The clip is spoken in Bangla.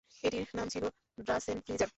এটির নাম ছিল ড্রাছেনফ্লিজার।